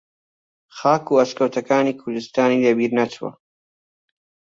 خاک و ئەشکەوتەکانی کوردستانی لە بیر نەچووە